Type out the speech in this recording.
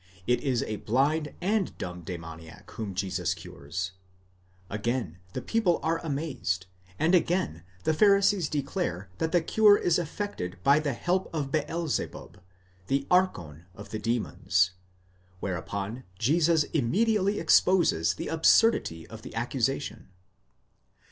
it is a blind and dumb demoniac whom Jesus cures; again the people are amazed, and again the Pharisees declare that the cure is effected by the help of Beelzebub, the ἄρχων of the demons, whereupon Jesus immediately exposes the absurdity of the accusation.